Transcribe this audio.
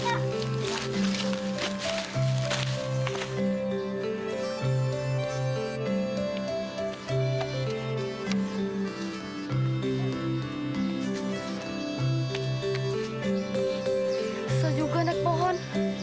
susah juga naik pohon